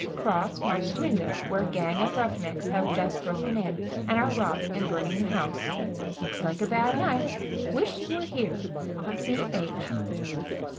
Cross marks window where gang of rough necks have just broken in and are robbing and burning the house. Looks like a bad night. Wish you were here. C.H."